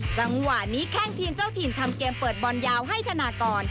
จังหวะนี้แข้งทีมเจ้าถิ่นทำเกมเปิดบอลยาวให้ธนากร